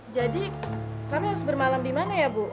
jadi kami harus bermalam dimana ya bu